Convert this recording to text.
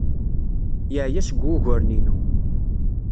Yeɛya seg wuguren-inu.